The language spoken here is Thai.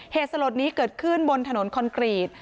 เหตุสลดนี้เกิดขึ้นบนถนนคอนกรีต